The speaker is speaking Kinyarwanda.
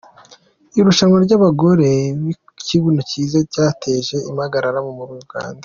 Irushanwa ry’abagore ’b’ikibuno cyiza’ ryateje impagarara muri Uganda